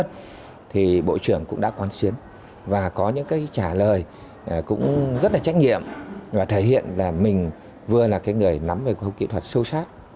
thì bộ trưởng cũng đã quan xuyến và có những trả lời cũng rất là trách nhiệm và thể hiện là mình vừa là người nắm về công kỹ thuật sâu sát